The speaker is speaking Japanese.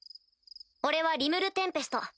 俺はリムル＝テンペスト。